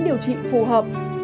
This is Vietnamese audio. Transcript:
điều trị phù hợp